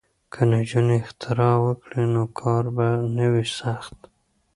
که نجونې اختراع وکړي نو کار به نه وي سخت.